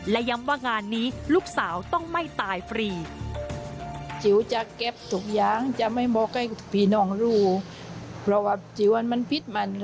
และย้ำว่างานนี้ลูกสาวต้องไม่ตายฟรี